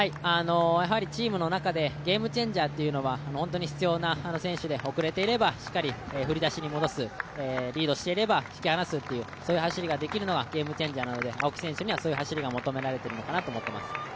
チームの中でゲームチェンジャーは本当に必要な選手で遅れていれば振り出しに戻す、リードしていれば引き離すという走りができるのがゲームチェンジャーなので、青木選手にはそういう走りが求められているのかなと思っています。